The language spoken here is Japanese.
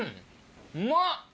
うまっ！